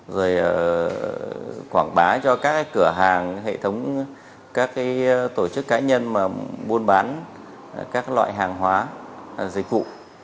rồi quảng bá cho các cửa hàng hệ thống các tổ chức cá nhân mà buôn bán các loại hàng hóa dịch vụ